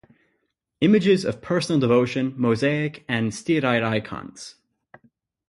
Images of Personal Devotion: Mosaic and Steatite Icons.